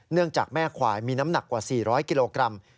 จากแม่ควายมีน้ำหนักกว่า๔๐๐กิโลกรัม